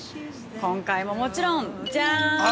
今回ももちろんじゃーん。